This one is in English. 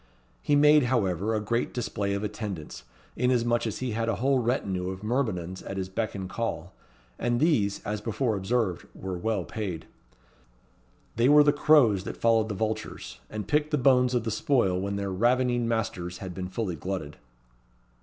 He made, however, a great display of attendants, inasmuch as he had a whole retinue of myrmidons at his beck and call; and these, as before observed, were well paid. They were the crows that followed the vultures, and picked the bones of the spoil when their ravening masters had been fully glutted.